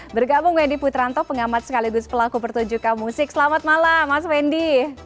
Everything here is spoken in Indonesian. bergabung wendy putranto pengamat sekaligus pelaku pertunjukan musik selamat malam mas wendy